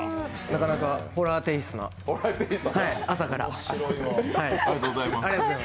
なかなかホラーテイストな、朝から。